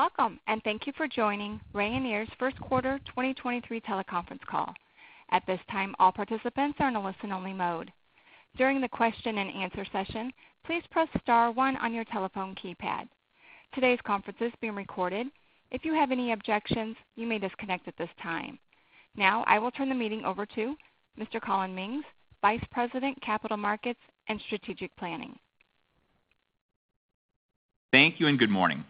Welcome, and thank you for joining Rayonier's First Quarter 2023 Teleconference Call. At this time, all participants are in a listen-only mode. During the question and answer session, please press star 1 on your telephone keypad. Today's conference is being recorded. If you have any objections, you may disconnect at this time. Now, I will turn the meeting over to Mr. Collin Mings, Vice President, Capital Markets and Strategic Planning. Thank you. Good morning.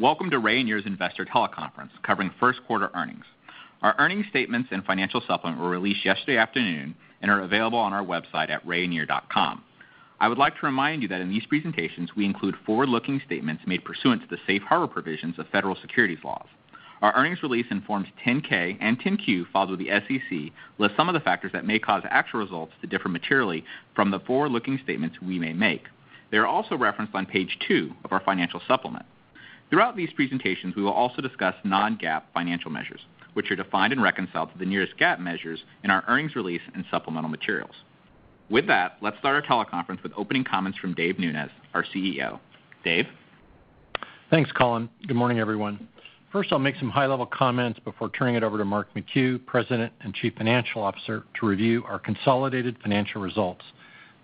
Welcome to Rayonier's Investor Teleconference Conference covering First Quarter Earnings. Our earning statements and financial supplement were released yesterday afternoon and are available on our website at rayonier.com. I would like to remind you that in these presentations, we include forward-looking statements made pursuant to the safe harbor provisions of federal securities laws. Our earnings release in forms 10-K and 10-Q filed with the SEC list some of the factors that may cause actual results to differ materially from the forward-looking statements we may make. They are also referenced on page two of our financial supplement. Throughout these presentations, we will also discuss non-GAAP financial measures, which are defined and reconciled to the nearest GAAP measures in our earnings release and supplemental materials. With that, let's start our teleconference with opening comments from Dave Nunes, our CEO. Dave? Thanks, Collin. Good morning, everyone. First, I'll make some high-level comments before turning it over to Mark McHugh, President and Chief Financial Officer, to review our consolidated financial results.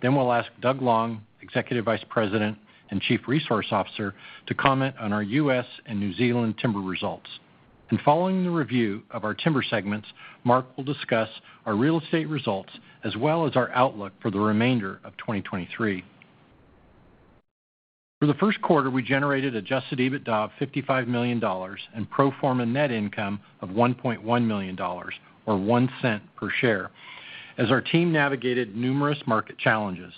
We'll ask Doug Long, Executive Vice President and Chief Resource Officer, to comment on our U.S. and New Zealand timber results. Following the review of our timber segments, Mark will discuss our real estate results as well as our outlook for the remainder of 2023. For the first quarter, we generated Adjusted EBITDA of $55 million and pro forma net income of $1.1 million or $0.01 per share as our team navigated numerous market challenges.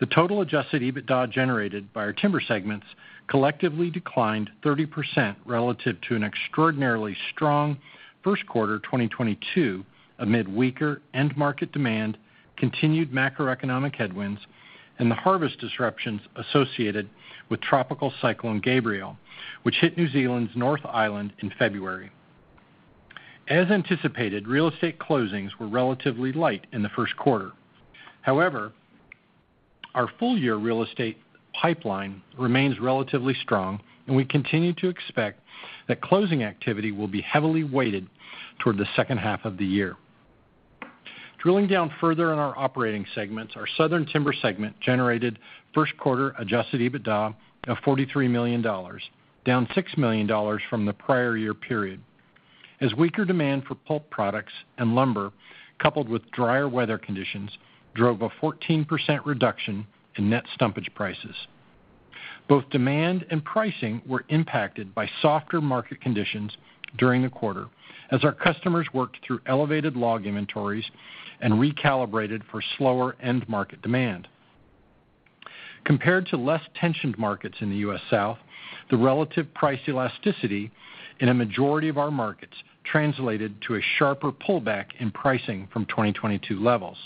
The total Adjusted EBITDA generated by our timber segments collectively declined 30% relative to an extraordinarily strong first quarter 2022 amid weaker end market demand, continued macroeconomic headwinds, and the harvest disruptions associated with Tropical Cyclone Gabrielle, which hit New Zealand's North Island in February. As anticipated, real estate closings were relatively light in the first quarter. However, our full-year real estate pipeline remains relatively strong, and we continue to expect that closing activity will be heavily weighted toward the second half of the year. Drilling down further on our operating segments, our southern timber segment generated first quarter Adjusted EBITDA of $43 million, down $6 million from the prior year period as weaker demand for pulp products and lumber, coupled with drier weather conditions, drove a 14% reduction in net stumpage prices. Both demand and pricing were impacted by softer market conditions during the quarter as our customers worked through elevated log inventories and recalibrated for slower end market demand. Compared to less tensioned markets in the U.S. South, the relative price elasticity in a majority of our markets translated to a sharper pullback in pricing from 2022 levels.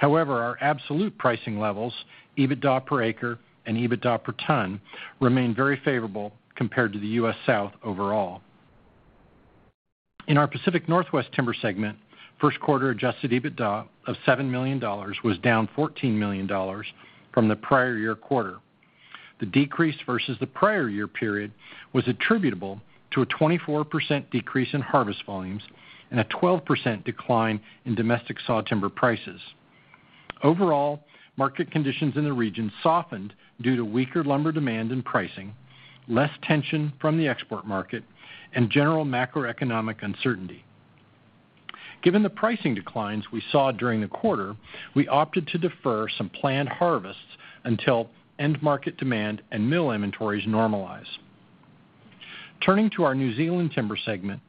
Our absolute pricing levels, EBITDA per acre and EBITDA per ton, remain very favorable compared to the U.S. South overall. In our Pacific Northwest timber segment, first quarter-Adjusted EBITDA of $7 million was down $14 million from the prior year quarter. The decrease versus the prior year period was attributable to a 24% decrease in harvest volumes and a 12% decline in domestic sawtimber prices. Overall, market conditions in the region softened due to weaker lumber demand and pricing, less tension from the export market, and general macroeconomic uncertainty. Given the pricing declines we saw during the quarter, we opted to defer some planned harvests until end market demand and mill inventories normalize. Turning to our New Zealand timber segment,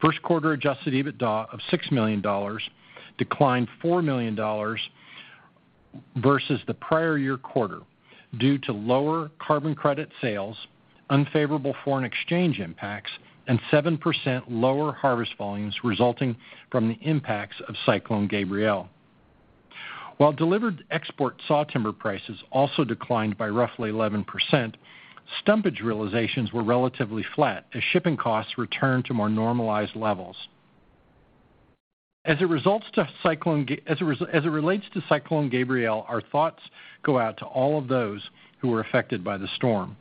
first quarter Adjusted EBITDA of $6 million declined $4 million versus the prior year quarter due to lower carbon credit sales, unfavorable foreign exchange impacts, and 7% lower harvest volumes resulting from the impacts of Cyclone Gabrielle. While delivered export sawtimber prices also declined by roughly 11%, stumpage realizations were relatively flat as shipping costs returned to more normalized levels. As it relates to Cyclone Gabrielle, our thoughts go out to all of those who were affected by the storm.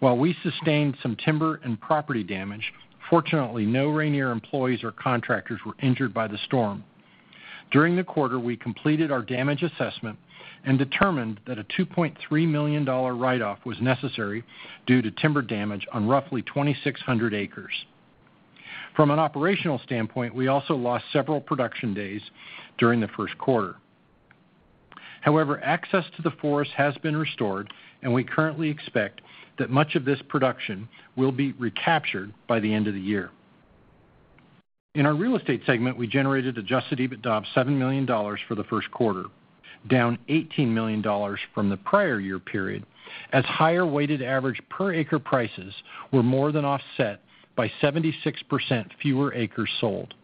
While we sustained some timber and property damage, fortunately, no Rayonier employees or contractors were injured by the storm. During the quarter, we completed our damage assessment and determined that a $2.3 million write-off was necessary due to timber damage on roughly 2,600 acres. From an operational standpoint, we also lost several production days during the first quarter. However, access to the forest has been restored, and we currently expect that much of this production will be recaptured by the end of the year. In our real estate segment, we generated Adjusted EBITDA of $7 million for the first quarter, down $18 million from the prior year period, as higher weighted average per acre prices were more than offset by 76% fewer acres sold.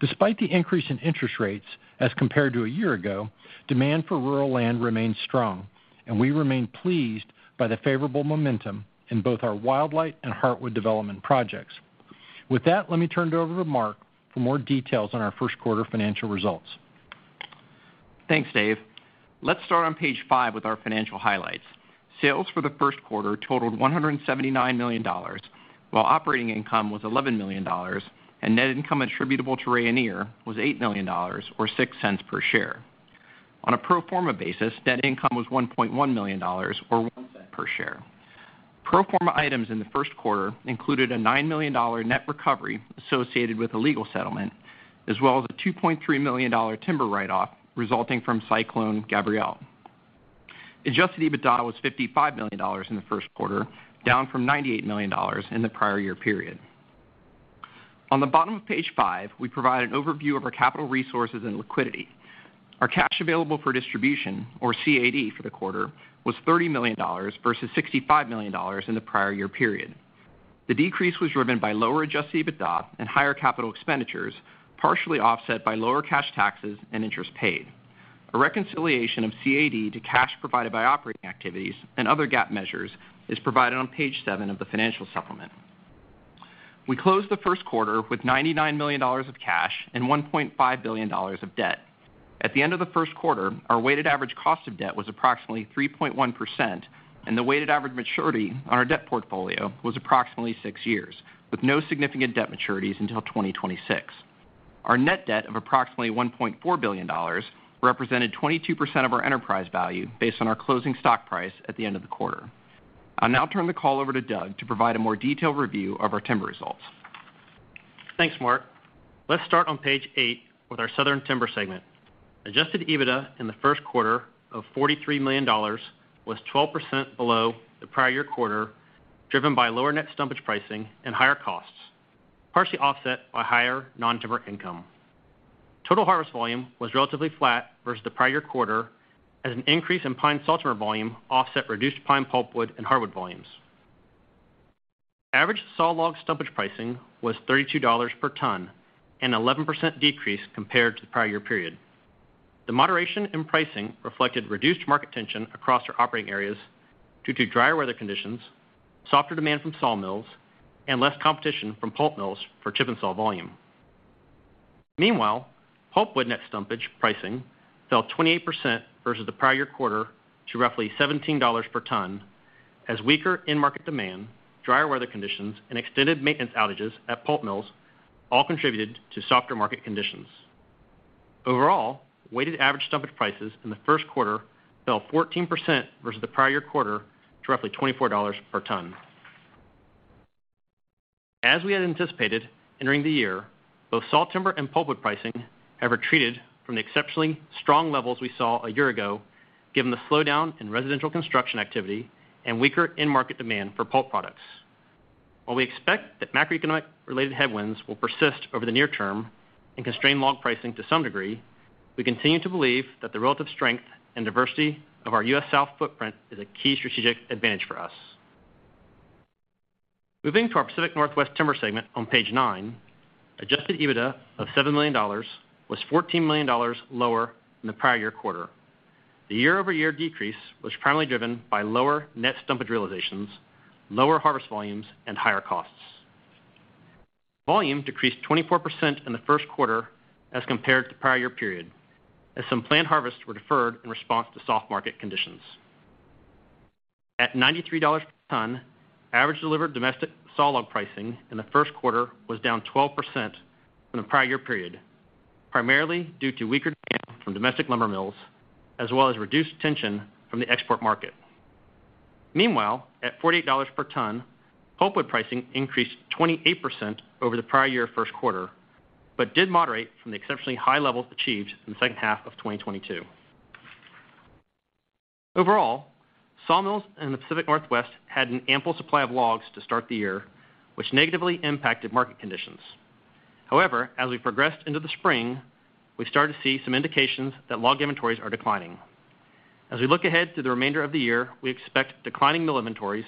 Despite the increase in interest rates as compared to a year ago, demand for rural land remains strong, and we remain pleased by the favorable momentum in both our Wildlight and Heartwood development projects. With that, let me turn it over to Mark for more details on our first quarter financial results. Thanks, Dave. Let's start on page 5 with our financial highlights. Sales for the first quarter totaled $179 million, while operating income was $11 million and net income attributable to Rayonier was $8 million or $0.06 per share. On a pro forma basis, net income was $1.1 million or $0.01 per share. Pro forma items in the first quarter included a $9 million net recovery associated with a legal settlement, as well as a $2.3 million timber write-off resulting from Cyclone Gabrielle. Adjusted EBITDA was $55 million in the first quarter, down from $98 million in the prior year period. On the bottom of page 5, we provide an overview of our capital resources and liquidity. Our cash available for distribution or CAD for the quarter was $30 million versus $65 million in the prior year period. The decrease was driven by lower Adjusted EBITDA and higher capital expenditures, partially offset by lower cash taxes and interest paid. A reconciliation of CAD to cash provided by operating activities and other GAAP measures is provided on page seven of the financial supplement. We closed the first quarter with $99 million of cash and $1.5 billion of debt. At the end of the first quarter, our weighted average cost of debt was approximately 3.1%, and the weighted average maturity on our debt portfolio was approximately six years, with no significant debt maturities until 2026. Our net debt of approximately $1.4 billion represented 22% of our enterprise value based on our closing stock price at the end of the quarter. I'll now turn the call over to Doug to provide a more detailed review of our timber results. Thanks, Mark. Let's start on page 8 with our Southern Timber segment. Adjusted EBITDA in the first quarter of $43 million was 12% below the prior year quarter, driven by lower net stumpage pricing and higher costs, partially offset by higher non-timber income. Total harvest volume was relatively flat versus the prior year quarter as an increase in pine sawtimber volume offset reduced pine pulpwood and hardwood volumes. Average sawlog stumpage pricing was $32 per ton, an 11% decrease compared to the prior year period. The moderation in pricing reflected reduced market tension across our operating areas due to drier weather conditions, softer demand from sawmills, and less competition from pulp mills for chip-n-saw volume. Meanwhile, pulpwood net stumpage pricing fell 28% versus the prior year quarter to roughly $17 per ton as weaker end market demand, drier weather conditions, and extended maintenance outages at pulp mills all contributed to softer market conditions. Overall, weighted average stumpage prices in the first quarter fell 14% versus the prior year quarter to roughly $24 per ton. As we had anticipated entering the year, both sawtimber and pulpwood pricing have retreated from the exceptionally strong levels we saw a year ago, given the slowdown in residential construction activity and weaker end market demand for pulp products. While we expect that macroeconomic-related headwinds will persist over the near term and constrain log pricing to some degree, we continue to believe that the relative strength and diversity of our US South footprint is a key strategic advantage for us. Moving to our Pacific Northwest Timber segment on page 9, Adjusted EBITDA of $7 million was $14 million lower than the prior year quarter. The year-over-year decrease was primarily driven by lower net stumpage realizations, lower harvest volumes, and higher costs. Volume decreased 24% in the first quarter as compared to the prior year period, as some planned harvests were deferred in response to soft market conditions. At $93 per ton, average delivered domestic sawlog pricing in the first quarter was down 12% from the prior year period, primarily due to weaker demand from domestic lumber mills, as well as reduced tension from the export market. At $48 per ton, pulpwood pricing increased 28% over the prior year first quarter, but did moderate from the exceptionally high levels achieved in the second half of 2022. Overall, sawmills in the Pacific Northwest had an ample supply of logs to start the year, which negatively impacted market conditions. However, as we progressed into the spring, we started to see some indications that log inventories are declining. As we look ahead to the remainder of the year, we expect declining mill inventories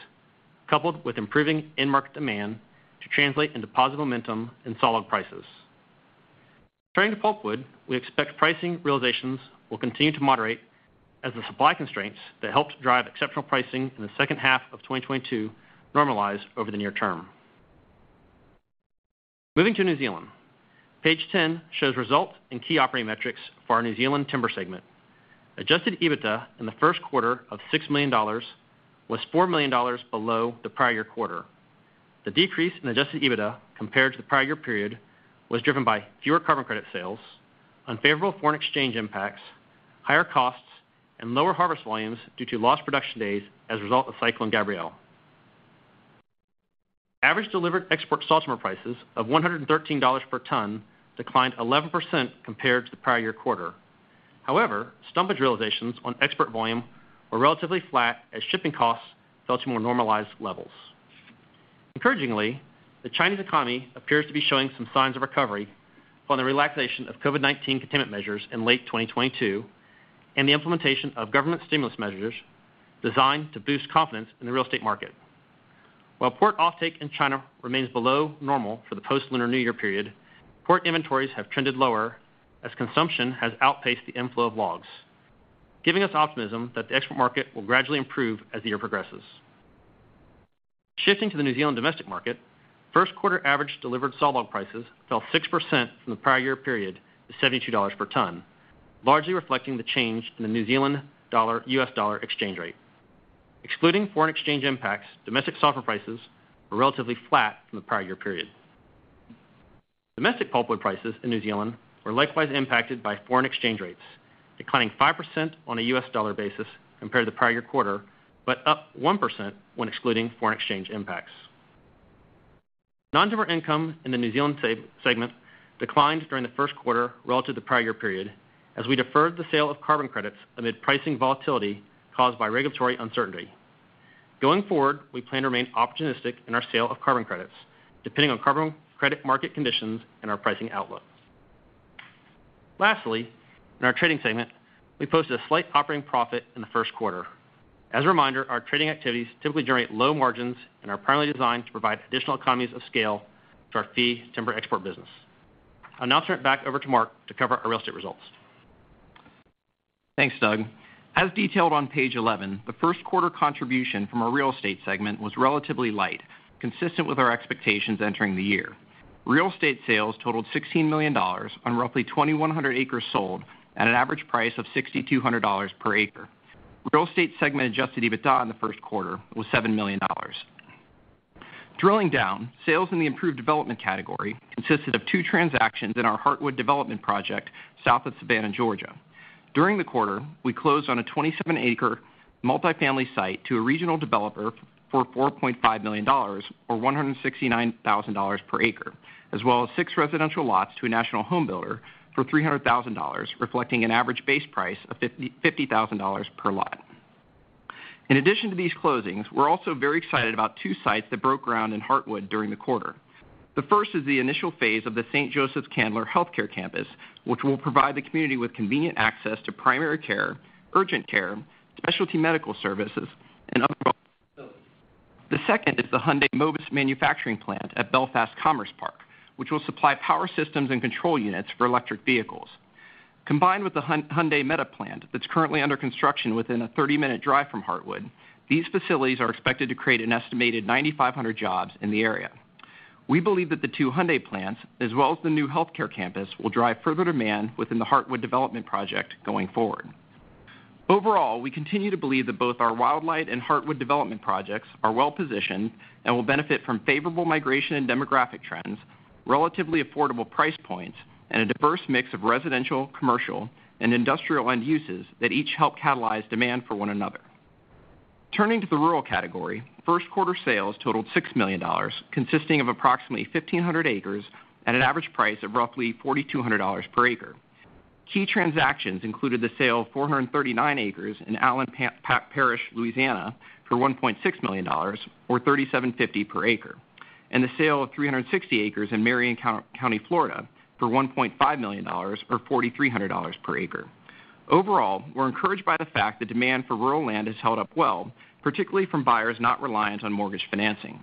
coupled with improving end market demand to translate into positive momentum in sawlog prices. Turning to pulpwood, we expect pricing realizations will continue to moderate as the supply constraints that helped drive exceptional pricing in the second half of 2022 normalize over the near term. Moving to New Zealand, page 10 shows results in key operating metrics for our New Zealand Timber segment. Adjusted EBITDA in the first quarter of $6 million was $4 million below the prior year quarter. The decrease in Adjusted EBITDA compared to the prior year period was driven by fewer carbon credit sales, unfavorable foreign exchange impacts, higher costs, and lower harvest volumes due to lost production days as a result of Cyclone Gabrielle. Average delivered export sawtimber prices of $113 per ton declined 11% compared to the prior year quarter. Stumpage realizations on export volume were relatively flat as shipping costs fell to more normalized levels. Encouragingly, the Chinese economy appears to be showing some signs of recovery following the relaxation of COVID-19 containment measures in late 2022 and the implementation of government stimulus measures designed to boost confidence in the real estate market. While port offtake in China remains below normal for the post-Lunar New Year period, port inventories have trended lower as consumption has outpaced the inflow of logs, giving us optimism that the export market will gradually improve as the year progresses. Shifting to the New Zealand domestic market, first quarter average delivered sawlog prices fell 6% from the prior year period to 72 dollars per ton, largely reflecting the change in the New Zealand dollar-US dollar exchange rate. Excluding foreign exchange impacts, domestic sawlog prices were relatively flat from the prior year period. Domestic pulpwood prices in New Zealand were likewise impacted by foreign exchange rates, declining 5% on a US dollar basis compared to the prior year quarter, but up 1% when excluding foreign exchange impacts. Non-timber income in the New Zealand segment declined during the first quarter relative to prior year period as we deferred the sale of carbon credits amid pricing volatility caused by regulatory uncertainty. Going forward, we plan to remain opportunistic in our sale of carbon credits, depending on carbon credit market conditions and our pricing outlooks. Lastly, in our trading segment, we posted a slight operating profit in the first quarter. As a reminder, our trading activities typically generate low margins and are primarily designed to provide additional economies of scale to our fee timber export business. I'll now turn it back over to Mark to cover our real estate results. Thanks, Doug. As detailed on page 11, the first quarter contribution from our real estate segment was relatively light, consistent with our expectations entering the year. Real estate sales totaled $16 million on roughly 2,100 acres sold at an average price of $6,200 per acre. Real estate segment Adjusted EBITDA in the first quarter was $7 million. Drilling down, sales in the improved development category consisted of two transactions in our Heartwood development project south of Savannah, Georgia. During the quarter, we closed on a 27-acre multifamily site to a regional developer for $4.5 million or $169,000 per acre, as well as 6 residential lots to a national home builder for $300,000, reflecting an average base price of $50,000 per lot. In addition to these closings, we're also very excited about two sites that broke ground in Heartwood during the quarter. The first is the initial phase of the St. Joseph's/Candler healthcare campus, which will provide the community with convenient access to primary care, urgent care, specialty medical services, and other facilities. The second is the Hyundai Mobis manufacturing plant at Belfast Commerce Park, which will supply power systems and control units for electric vehicles. Combined with the Hyundai Metaplant that's currently under construction within a 30-minute drive from Heartwood, these facilities are expected to create an estimated 9,500 jobs in the area. We believe that the two Hyundai plants, as well as the new healthcare campus, will drive further demand within the Heartwood development project going forward. Overall, we continue to believe that both our Wildlight and Heartwood development projects are well-positioned and will benefit from favorable migration and demographic trends, relatively affordable price points, and a diverse mix of residential, commercial, and industrial end uses that each help catalyze demand for one another. Turning to the rural category, first quarter sales totaled $6 million, consisting of approximately 1,500 acres at an average price of roughly $4,200 per acre. Key transactions included the sale of 439 acres in Allen Parish, Louisiana, for $1.6 million or $3,750 per acre, and the sale of 360 acres in Marion County, Florida, for $1.5 million or $4,300 per acre. Overall, we're encouraged by the fact that demand for rural land has held up well, particularly from buyers not reliant on mortgage financing.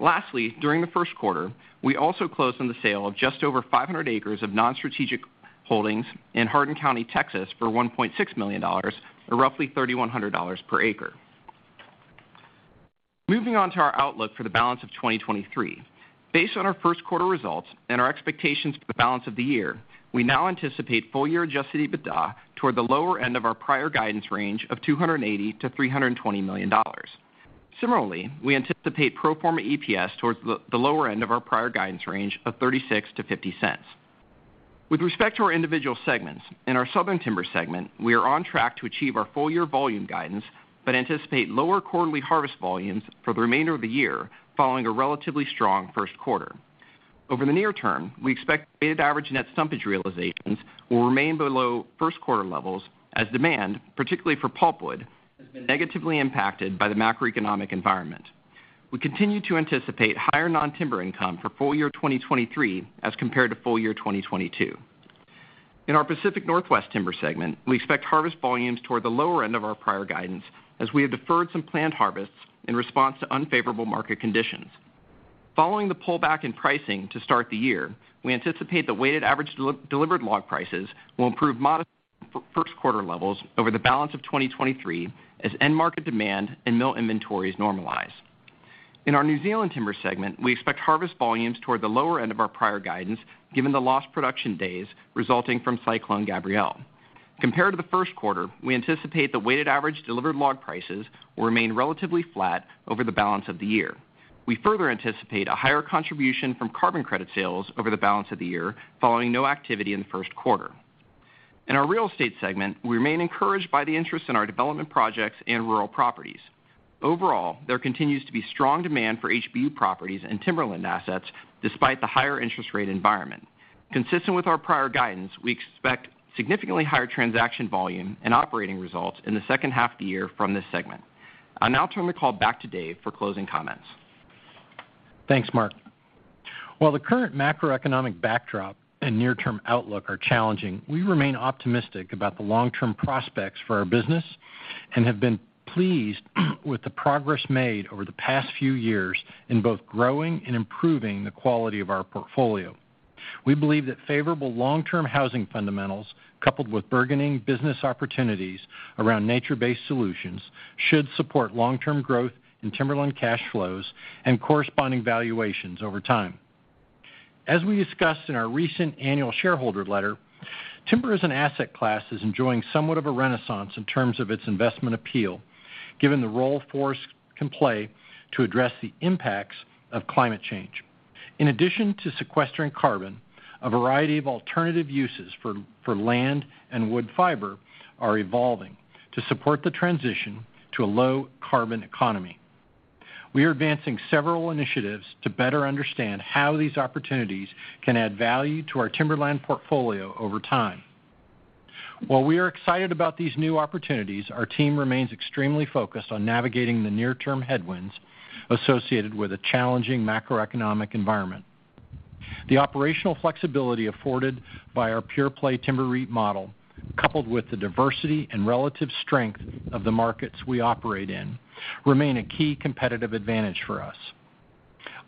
Lastly, during the first quarter, we also closed on the sale of just over 500 acres of non-strategic holdings in Hardin County, Texas, for $1.6 million or roughly $3,100 per acre. Moving on to our outlook for the balance of 2023. Based on our first quarter results and our expectations for the balance of the year, we now anticipate full year Adjusted EBITDA toward the lower end of our prior guidance range of $280 million-$320 million. Similarly, we anticipate pro forma EPS towards the lower end of our prior guidance range of $0.36-$0.50. With respect to our individual segments, in our Southern Timber segment, we are on track to achieve our full year volume guidance, but anticipate lower quarterly harvest volumes for the remainder of the year following a relatively strong first quarter. Over the near term, we expect weighted average net stumpage realizations will remain below first quarter levels as demand, particularly for pulpwood, has been negatively impacted by the macroeconomic environment. We continue to anticipate higher non-timber income for full year 2023 as compared to full year 2022. In our Pacific Northwest Timber segment, we expect harvest volumes toward the lower end of our prior guidance as we have deferred some planned harvests in response to unfavorable market conditions. Following the pullback in pricing to start the year, we anticipate the weighted average delivered log prices will improve modestly from first quarter levels over the balance of 2023 as end market demand and mill inventories normalize. In our New Zealand Timber segment, we expect harvest volumes toward the lower end of our prior guidance given the lost production days resulting from Cyclone Gabrielle. Compared to the first quarter, we anticipate the weighted average delivered log prices will remain relatively flat over the balance of the year. We further anticipate a higher contribution from carbon credit sales over the balance of the year following no activity in the first quarter. In our real estate segment, we remain encouraged by the interest in our development projects and rural properties. Overall, there continues to be strong demand for HBU properties and timberland assets despite the higher interest rate environment. Consistent with our prior guidance, we expect significantly higher transaction volume and operating results in the second half of the year from this segment. I'll now turn the call back to Dave for closing comments. Thanks, Mark. While the current macroeconomic backdrop and near-term outlook are challenging, we remain optimistic about the long-term prospects for our business and have been pleased with the progress made over the past few years in both growing and improving the quality of our portfolio. We believe that favorable long-term housing fundamentals, coupled with burgeoning business opportunities around nature-based solutions, should support long-term growth in timberland cash flows and corresponding valuations over time. As we discussed in our recent annual shareholder letter, timber as an asset class is enjoying somewhat of a renaissance in terms of its investment appeal, given the role forest can play to address the impacts of climate change. In addition to sequestering carbon, a variety of alternative uses for land and wood fiber are evolving to support the transition to a low carbon economy. We are advancing several initiatives to better understand how these opportunities can add value to our timberland portfolio over time. While we are excited about these new opportunities, our team remains extremely focused on navigating the near-term headwinds associated with a challenging macroeconomic environment. The operational flexibility afforded by our pure play timber REIT model, coupled with the diversity and relative strength of the markets we operate in, remain a key competitive advantage for us.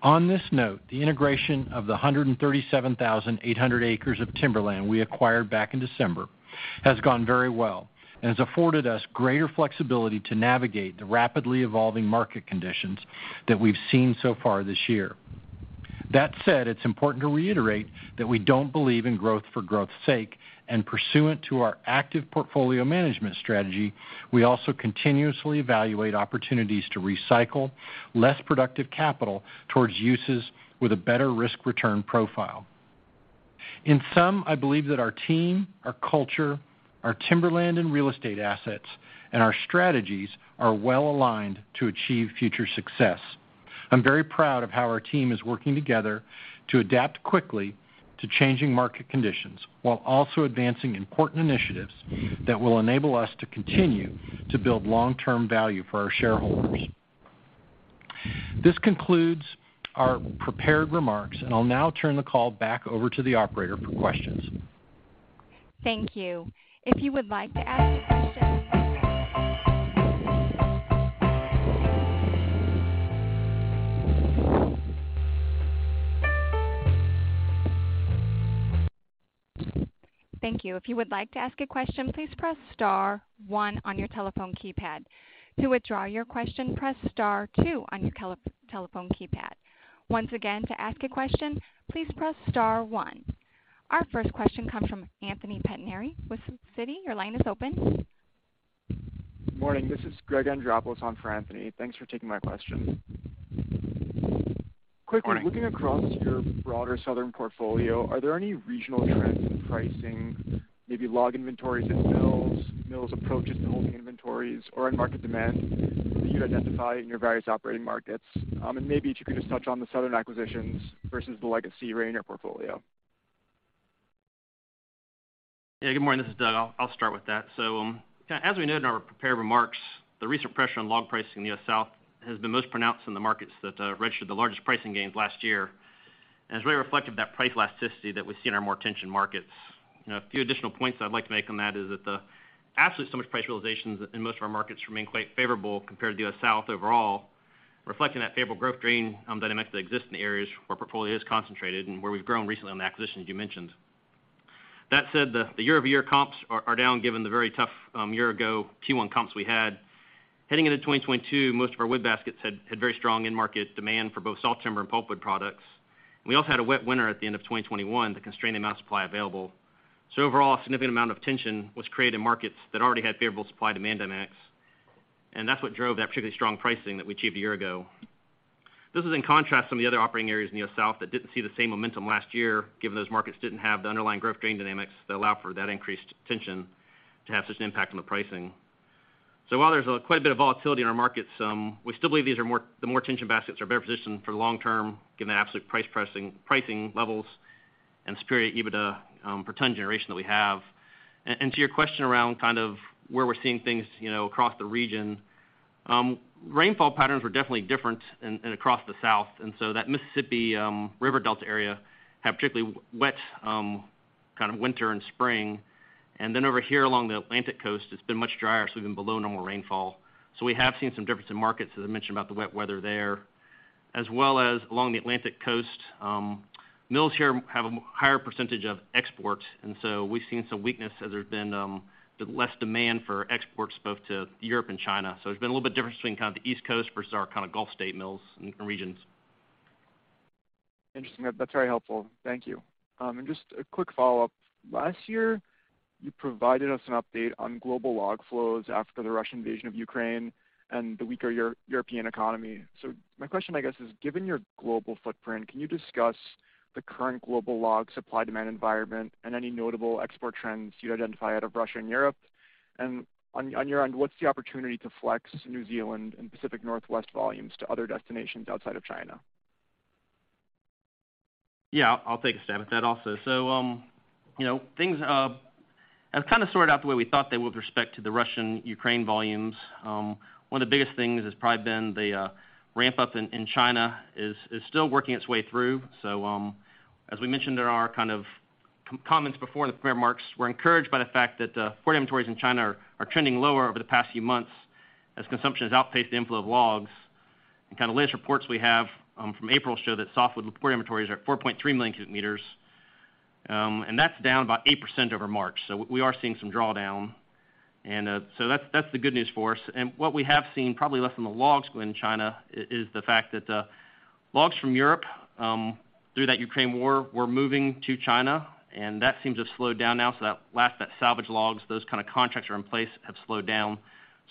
On this note, the integration of the 137,800 acres of timberland we acquired back in December has gone very well and has afforded us greater flexibility to navigate the rapidly evolving market conditions that we've seen so far this year. That said, it's important to reiterate that we don't believe in growth for growth's sake. Pursuant to our active portfolio management strategy, we also continuously evaluate opportunities to recycle less productive capital towards uses with a better risk-return profile. In sum, I believe that our team, our culture, our timberland and real estate assets, and our strategies are well-aligned to achieve future success. I'm very proud of how our team is working together to adapt quickly to changing market conditions, while also advancing important initiatives that will enable us to continue to build long-term value for our shareholders. This concludes our prepared remarks, and I'll now turn the call back over to the operator for questions. Thank you. If you would like to ask a question, please press star one on your telephone keypad. To withdraw your question, press star two on your telephone keypad. Once again, to ask a question, please press star one. Our first question comes from Anthony Pettinari with Citi. Your line is open. Morning. This is Anthony Pettinari on for Anthony. Thanks for taking my question. Morning. Quickly, looking across your broader southern portfolio, are there any regional trends in pricing, maybe log inventories at mills approaches to holding inventories or end market demand that you identify in your various operating markets? Maybe if you could just touch on the southern acquisitions versus the legacy Rayonier portfolio. Yeah, good morning. This is Doug. I'll start with that. As we noted in our prepared remarks, the recent pressure on log pricing in the U.S. South has been most pronounced in the markets that registered the largest pricing gains last year, and it's very reflective of that price elasticity that we see in our more tension markets. You know, a few additional points I'd like to make on that is that the absolute stumpage price realizations in most of our markets remain quite favorable compared to the U.S. South overall, reflecting that favorable growth-to-drain dynamics that exist in the areas where portfolio is concentrated and where we've grown recently on the acquisitions you mentioned. That said, the year-over-year comps are down, given the very tough year ago Q1 comps we had. Heading into 2022, most of our wood baskets had very strong end market demand for both sawtimber and pulpwood products. We also had a wet winter at the end of 2021 that constrained the amount of supply available. Overall, a significant amount of tension was created in markets that already had favorable supply-demand dynamics, and that's what drove that particularly strong pricing that we achieved a year ago. This is in contrast to some of the other operating areas in the U.S. South that didn't see the same momentum last year, given those markets didn't have the underlying growth-to-drain dynamics that allow for that increased tension to have such an impact on the pricing. While there's quite a bit of volatility in our markets, we still believe these are the more tension baskets are better positioned for the long term given the absolute pricing levels and superior EBITDA per ton generation that we have. To your question around kind of where we're seeing things, you know, across the region, rainfall patterns were definitely different across the South. That Mississippi River Delta area have particularly wet kind of winter and spring. Over here along the Atlantic Coast, it's been much drier, so we've been below normal rainfall. We have seen some difference in markets, as I mentioned, about the wet weather there. As well as along the Atlantic Coast, mills here have a higher percentage of exports. We've seen some weakness as there's been, the less demand for exports both to Europe and China. There's been a little bit difference between kind of the East Coast versus our kind of Gulf State mills and regions. Interesting. That's very helpful. Thank you. Just a quick follow-up. Last year, you provided us an update on global log flows after the Russian invasion of Ukraine and the weaker European economy. My question, I guess, is given your global footprint, can you discuss the current global log supply-demand environment and any notable export trends you identify out of Russia and Europe? On your end, what's the opportunity to flex New Zealand and Pacific Northwest volumes to other destinations outside of China? Yeah, I'll take a stab at that also. You know, things have kind of sorted out the way we thought they would with respect to the Russian-Ukraine volumes. One of the biggest things has probably been the ramp-up in China is still working its way through. As we mentioned in our comments before in the prepared remarks, we're encouraged by the fact that port inventories in China are trending lower over the past few months as consumption has outpaced the inflow of logs. Kinda latest reports we have from April show that softwood port inventories are at 4.3 million cubic meters, and that's down about 8% over March. We are seeing some drawdown. That's the good news for us. What we have seen probably less in the logs going China is the fact that logs from Europe through that Ukraine War were moving to China, and that seems to have slowed down now. That salvage logs, those kind of contracts are in place have slowed down.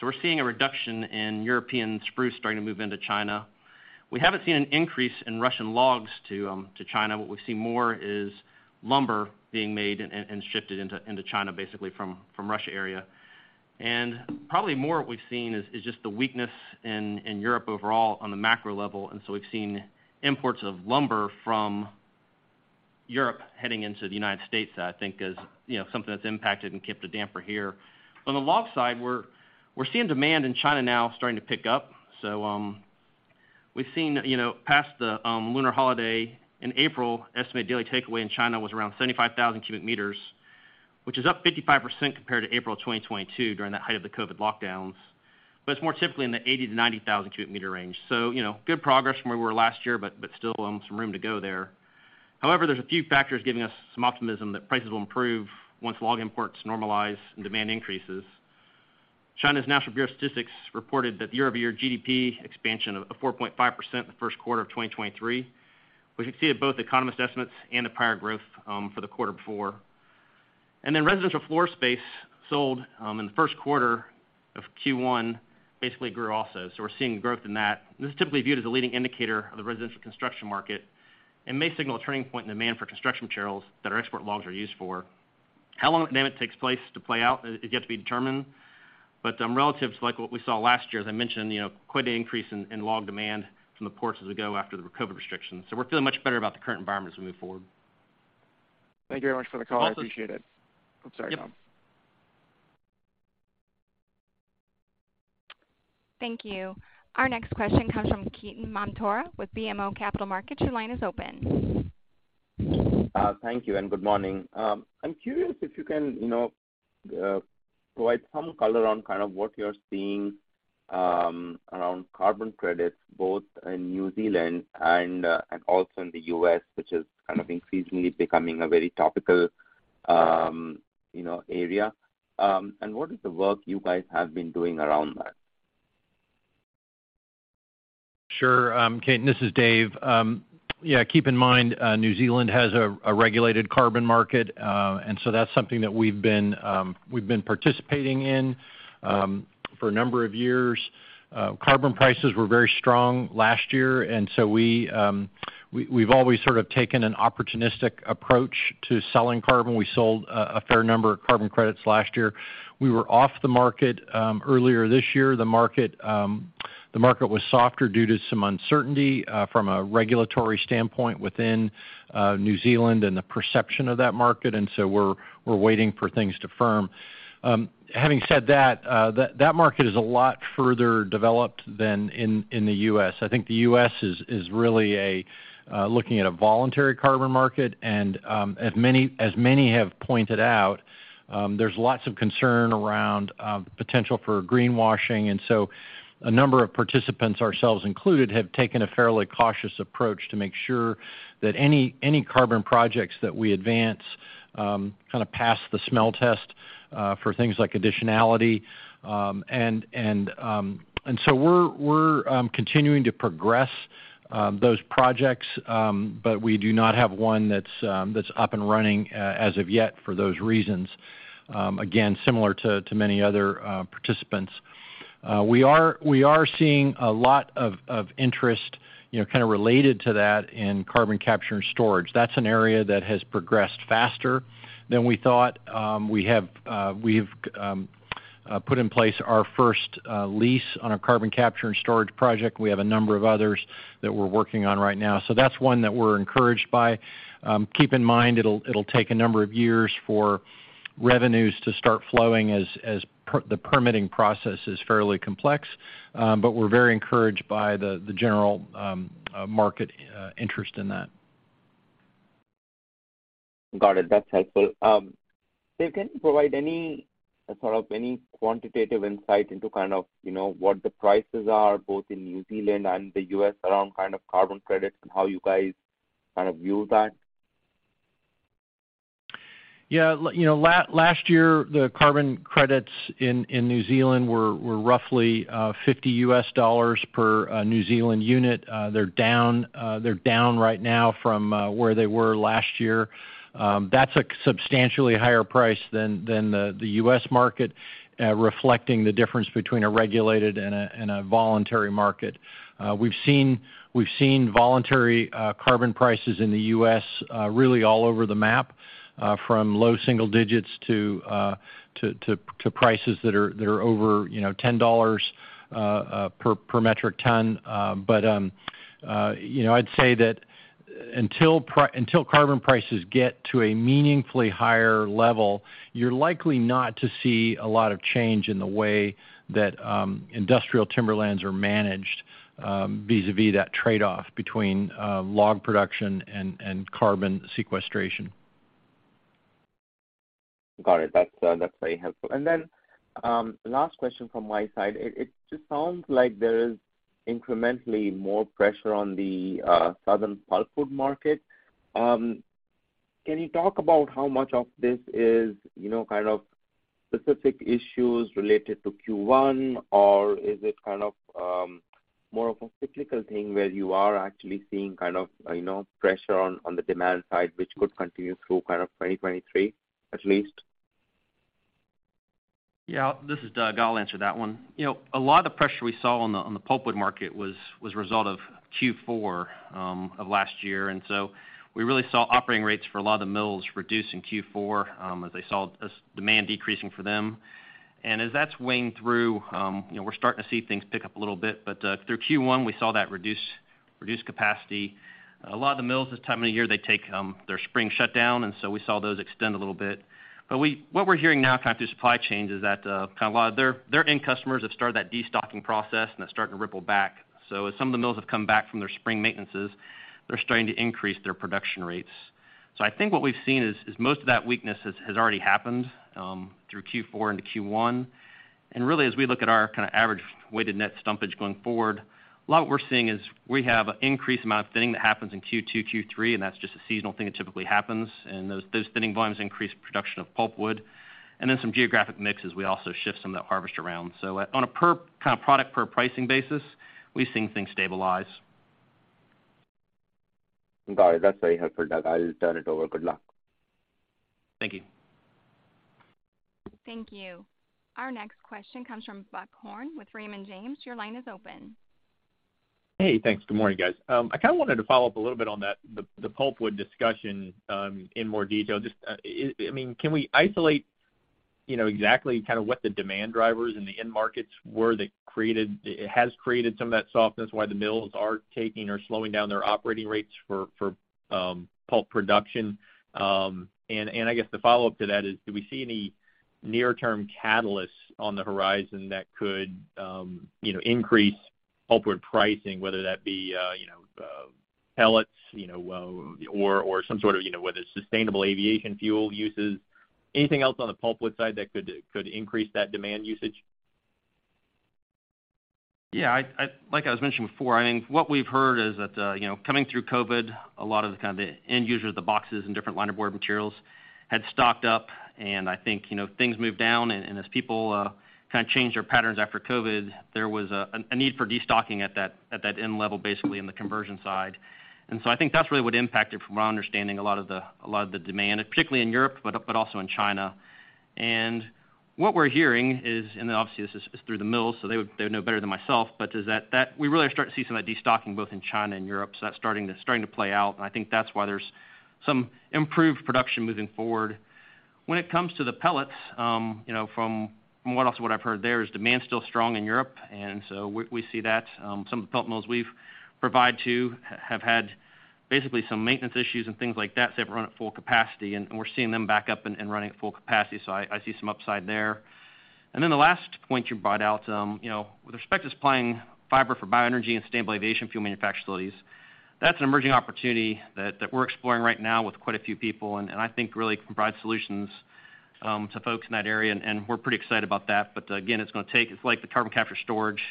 We're seeing a reduction in European spruce starting to move into China. We haven't seen an increase in Russian logs to China. What we've seen more is lumber being made and shipped into China basically from Russia area. Probably more we've seen is just the weakness in Europe overall on the macro level, and so we've seen imports of lumber from Europe heading into the United States that I think is, you know, something that's impacted and kept a damper here. On the log side, we're seeing demand in China now starting to pick up. We've seen, you know, past the Lunar New Year holiday in April, estimated daily takeaway in China was around 75,000 cubic meters, which is up 55% compared to April of 2022 during the height of the COVID-19 lockdowns. It's more typically in the 80,000-90,000 cubic meter range. You know, good progress from where we were last year, but still some room to go there. However, there's a few factors giving us some optimism that prices will improve once log imports normalize and demand increases. China's National Bureau of Statistics reported that the year-over-year GDP expansion of 4.5% in the first quarter of 2023, which exceeded both the economist estimates and the prior growth for the quarter before. Residential floor space sold in the first quarter of Q1 basically grew also. We're seeing growth in that. This is typically viewed as a leading indicator of the residential construction market and may signal a turning point in demand for construction materials that our export logs are used for. How long that demand takes place to play out is yet to be determined. Relative to like what we saw last year, as I mentioned, you know, quite an increase in log demand from the ports as we go after the COVID restrictions. We're feeling much better about the current environment as we move forward. Thank you very much for the color. Appreciate it. I'm sorry, Tom. Yep. Thank you. Our next question comes from Ketan Mamtora with BMO Capital Markets. Your line is open. Thank you, and good morning. I'm curious if you can, you know, provide some color on kind of what you're seeing around carbon credits, both in New Zealand and also in the US which is kind of increasingly becoming a very topical, you know, area? What is the work you guys have been doing around that? Sure. Ketan, this is David. Yeah, keep in mind, New Zealand has a regulated carbon market. That's something that we've been participating in for a number of years. Carbon prices were very strong last year. We've always sort of taken an opportunistic approach to selling carbon. We sold a fair number of carbon credits last year. We were off the market earlier this year. The market was softer due to some uncertainty from a regulatory standpoint within New Zealand and the perception of that market. We're waiting for things to firm. Having said that market is a lot further developed than in the U.S. I think the U.S. is really a looking at a voluntary carbon market, and as many have pointed out, there's lots of concern around potential for greenwashing. A number of participants, ourselves included, have taken a fairly cautious approach to make sure that any carbon projects that we advance, kinda pass the smell test, for things like additionality. We're continuing to progress those projects, but we do not have one that's up and running as of yet for those reasons, again, similar to many other participants. We are seeing a lot of interest, you know, kinda related to that in carbon capture and storage. That's an area that has progressed faster than we thought. We have, we've put in place our first lease on a carbon capture and storage project. We have a number of others that we're working on right now. That's one that we're encouraged by. Keep in mind it'll take a number of years for revenues to start flowing as the permitting process is fairly complex, but we're very encouraged by the general market interest in that. Got it. That's helpful. Dave, can you provide any sort of any quantitative insight into kind of, you know, what the prices are both in New Zealand and the U.S. around kind of carbon credits and how you guys kind of view that? Yeah. you know, last year, the carbon credits in New Zealand were roughly 50 US dollars per New Zealand unit. They're down, they're down right now from where they were last year. That's a substantially higher price than the US market, reflecting the difference between a regulated and a voluntary market. We've seen voluntary carbon prices in the US really all over the map, from low single digits to prices that are over, you know, 10 dollars per metric ton. You know, I'd say that until carbon prices get to a meaningfully higher level, you're likely not to see a lot of change in the way that industrial timberlands are managed. Vis-a-vis that trade-off between log production and carbon sequestration. Got it. That's very helpful. Last question from my side. It just sounds like there is incrementally more pressure on the southern pulpwood market. Can you talk about how much of this is, you know, kind of specific issues related to Q1? Or is it kind of more of a cyclical thing where you are actually seeing kind of, you know, pressure on the demand side, which could continue through kind of 2023, at least? Yeah. This is Doug. I'll answer that one. You know, a lot of the pressure we saw on the pulpwood market was a result of Q4 of last year. We really saw operating rates for a lot of the mills reduce in Q4 as they saw demand decreasing for them. As that's weighing through, you know, we're starting to see things pick up a little bit. Through Q1, we saw that reduced capacity. A lot of the mills this time of year, they take their spring shutdown, we saw those extend a little bit. What we're hearing now kind of through supply chain is that kind of a lot of their end customers have started that destocking process, that's starting to ripple back. As some of the mills have come back from their spring maintenances, they're starting to increase their production rates. I think what we've seen is most of that weakness has already happened, through Q4 into Q1. Really, as we look at our kind of average weighted net stumpage going forward, a lot we're seeing is we have an increased amount of thinning that happens in Q2, Q3, and that's just a seasonal thing that typically happens. Those thinning volumes increase production of pulpwood. Then some geographic mixes, we also shift some of that harvest around. On a per, kind of product per pricing basis, we've seen things stabilize. Got it. That's very helpful, Doug. I'll turn it over. Good luck. Thank you. Thank you. Our next question comes from Buck Horne with Raymond James. Your line is open. Hey, thanks. Good morning, guys. I kind of wanted to follow up a little bit on that, the pulpwood discussion, in more detail. Just, I mean, can we isolate, you know, exactly kind of what the demand drivers in the end markets were that it has created some of that softness, why the mills are taking or slowing down their operating rates for pulp production? I guess the follow-up to that is, do we see any near-term catalysts on the horizon that could, you know, increase pulpwood pricing, whether that be, you know, pellets, you know, or some sort of, you know, whether it's sustainable aviation fuel uses? Anything else on the pulpwood side that could increase that demand usage? Yeah. Like I was mentioning before, I mean, what we've heard is that, you know, coming through COVID, a lot of the kind of the end users of the boxes and different linerboard materials had stocked up, and I think, you know, things moved down. As people kind of changed their patterns after COVID, there was a need for destocking at that end level, basically in the conversion side. I think that's really what impacted, from our understanding, a lot of the demand, particularly in Europe, but also in China. What we're hearing is, and obviously, this is, this is through the mills, so they would know better than myself, but is that we really are starting to see some of that destocking both in China and Europe. That's starting to, starting to play out, and I think that's why there's some improved production moving forward. When it comes to the pellets, you know, from what else, what I've heard there is demand's still strong in Europe, and so we see that. Some of the pulp mills we've provide to have had basically some maintenance issues and things like that, so they've run at full capacity. We're seeing them back up and running at full capacity. I see some upside there. The last point you brought out, you know, with respect to supplying fiber for bioenergy and sustainable aviation fuel manufacture facilities, that's an emerging opportunity that we're exploring right now with quite a few people and I think really can provide solutions to folks in that area. We're pretty excited about that. Again, it's like the carbon capture storage.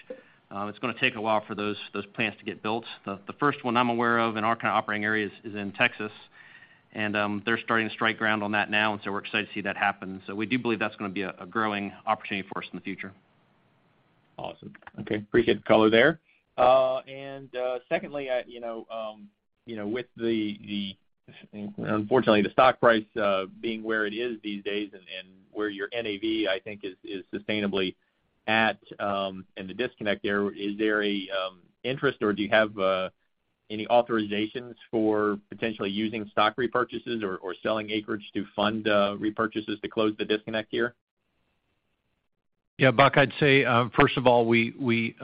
It's gonna take a while for those plants to get built. The first one I'm aware of in our kind of operating areas is in Texas, they're starting to strike ground on that now, we're excited to see that happen. We do believe that's gonna be a growing opportunity for us in the future. Awesome. Okay. Appreciate the color there. Secondly, I, you know, you know, with the unfortunately, the stock price, being where it is these days and where your NAV, I think, is sustainably at, and the disconnect there, is there a, interest, or do you have, any authorizations for potentially using stock repurchases or selling acreage to fund, repurchases to close the disconnect here? Buck, I'd say, first of all, we,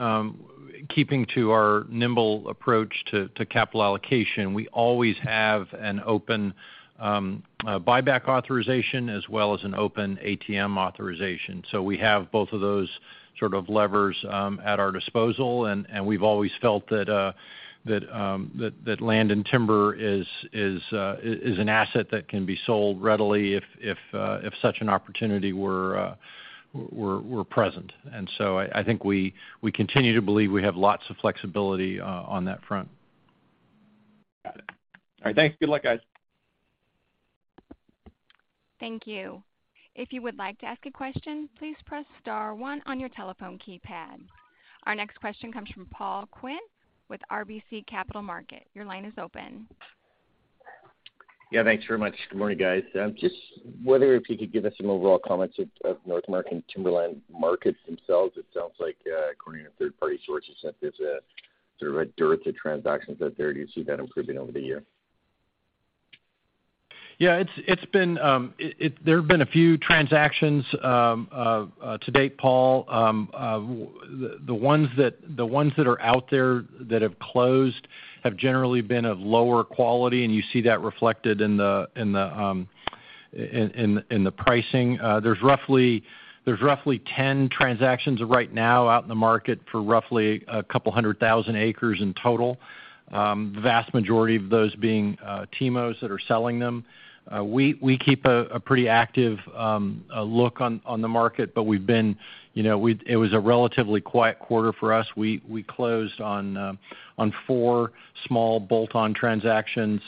keeping to our nimble approach to capital allocation, we always have an open buyback authorization as well as an open ATM authorization. We have both of those sort of levers at our disposal. We've always felt that land and timber is an asset that can be sold readily if such an opportunity were present. I think we continue to believe we have lots of flexibility on that front. Got it. All right, thanks. Good luck, guys. Thank you. If you would like to ask a question, please press star one on your telephone keypad. Our next question comes from Paul Quinn with RBC Capital Markets. Your line is open. Yeah. Thanks very much. Good morning, guys. Just wondering if you could give us some overall comments of North American timberland markets themselves. It sounds like, according to third-party sources, that there's a sort of a dearth of transactions out there. Do you see that improving over the year? Yeah. There have been a few transactions to date, Paul. The ones that are out there that have closed have generally been of lower quality, and you see that reflected in the pricing. There's roughly 10 transactions right now out in the market for roughly 200,000 acres in total. The vast majority of those being TIMOs that are selling them. We keep a pretty active look on the market, but we've been, you know, it was a relatively quiet quarter for us. We closed on 4 small bolt-on transactions,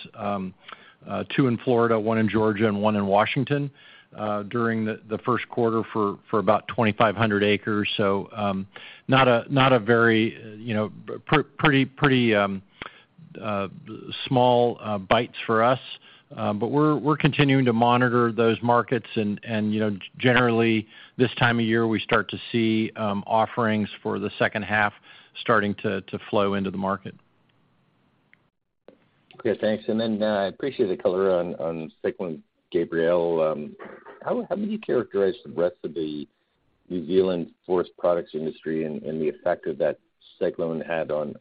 two in Florida, one in Georgia, and one in Washington, during the first quarter for about 2,500 acres. Not a very, you know, pretty, small bites for us. We're continuing to monitor those markets and, you know, generally this time of year we start to see offerings for the second half starting to flow into the market. Okay, thanks. Then, I appreciate the color on Cyclone Gabrielle. How would you characterize the rest of the New Zealand forest products industry and the effect that that cyclone had on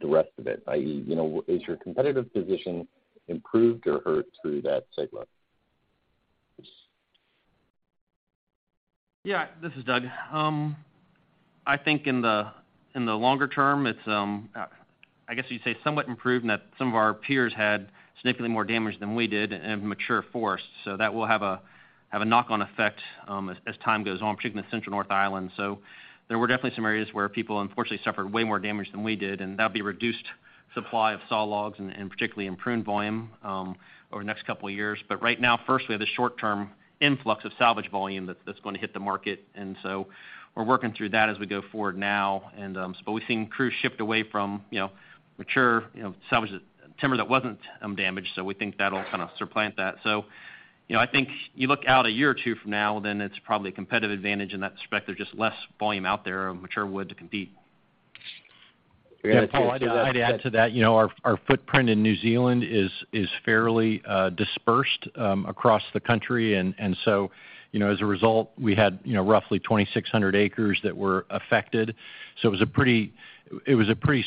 the rest of it? i.e., you know, is your competitive position improved or hurt through that cyclone? This is Doug. I think in the longer term, it's, I guess you'd say somewhat improved in that some of our peers had significantly more damage than we did in a mature forest, that will have a knock-on effect as time goes on, particularly in the Central North Island. There were definitely some areas where people unfortunately suffered way more damage than we did, and that'll be reduced supply of saw logs and particularly in prune volume over the next 2 years. Right now, firstly, the short-term influx of salvage volume that's gonna hit the market. We're working through that as we go forward now. We've seen crews shift away from, you know, mature, you know, salvage timber that wasn't damaged, so we think that'll kind of supplant that. You know, I think you look out a year or two from now, it's probably a competitive advantage in that respect. There's just less volume out there of mature wood to compete. Great. Yeah, Paul Quinn, I'd add to that, you know, our footprint in New Zealand is fairly dispersed across the country. So, you know, as a result, we had, you know, roughly 2,600 acres that were affected, so it was a pretty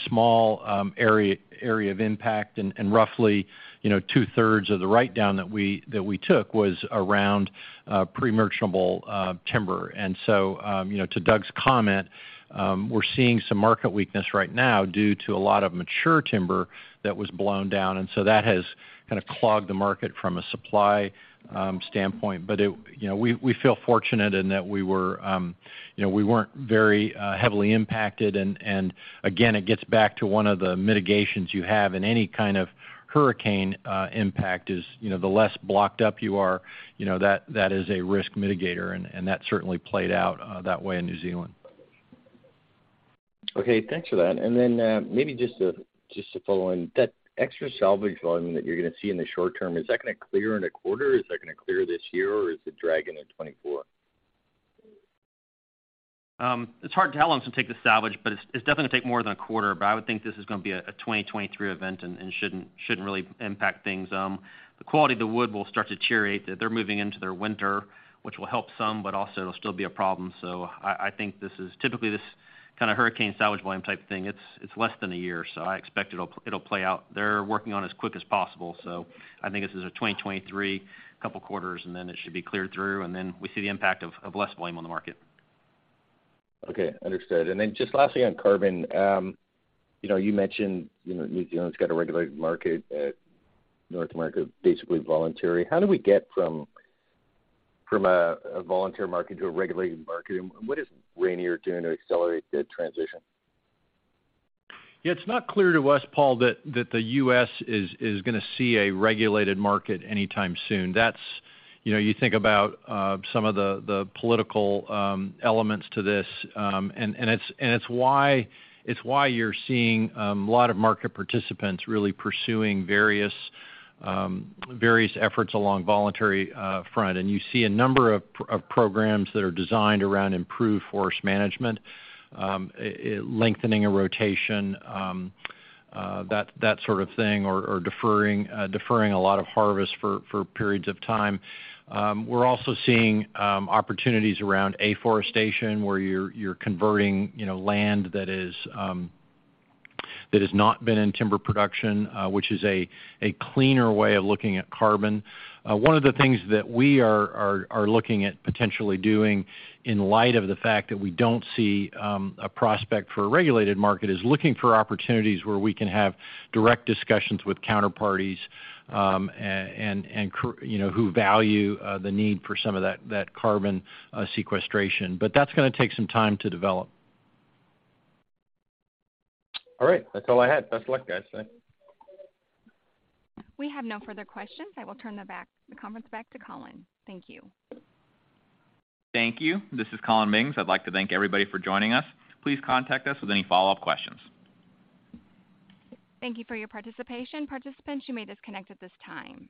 small area of impact. Roughly, you know, two-thirds of the write-down that we took was around pre-merchantable timber. So, you know, to Doug Long's comment, we're seeing some market weakness right now due to a lot of mature timber that was blown down. That has kind of clogged the market from a supply standpoint. You know, we feel fortunate in that we were, you know, we weren't very heavily impacted. Again, it gets back to one of the mitigations you have in any kind of hurricane impact is, you know, the less blocked up you are, you know, that is a risk mitigator, that certainly played out that way in New Zealand. Okay, thanks for that. Maybe just to follow on. That extra salvage volume that you're gonna see in the short term, is that gonna clear in a quarter? Is that gonna clear this year, or is it dragging into 2024? It's hard to tell how long it's gonna take to salvage, it's definitely gonna take more than a quarter, I would think this is gonna be a 2023 event and shouldn't really impact things. The quality of the wood will start to deteriorate. They're moving into their winter, which will help some, but also it'll still be a problem. I think this is typically this kind of hurricane salvage volume type thing. It's less than a year, so I expect it'll play out. They're working on as quick as possible, I think this is a 2023 couple quarters, and then it should be cleared through, and then we see the impact of less volume on the market. Okay. Understood. Then just lastly on carbon. You know, you mentioned, you know, New Zealand's got a regulated market. North America, basically voluntary. How do we get from a volunteer market to a regulated market? What is Rayonier doing to accelerate the transition? Yeah, it's not clear to us, Paul, that the U.S. is gonna see a regulated market anytime soon. That's, you know, you think about some of the political elements to this, and it's why you're seeing a lot of market participants really pursuing various efforts along voluntary front. You see a number of programs that are designed around improved forest management, lengthening a rotation, that sort of thing, or deferring a lot of harvest for periods of time. We're also seeing opportunities around afforestation, where you're converting, you know, land that has not been in timber production, which is a cleaner way of looking at carbon. One of the things that we are looking at potentially doing in light of the fact that we don't see a prospect for a regulated market, is looking for opportunities where we can have direct discussions with counterparties, and, you know, who value the need for some of that carbon sequestration. That's gonna take some time to develop. All right. That's all I had. Best of luck, guys. Thanks. We have no further questions. I will turn the conference back to Collin. Thank you. Thank you. This is Collin Mings. I'd like to thank everybody for joining us. Please contact us with any follow-up questions. Thank you for your participation. Participants, you may disconnect at this time.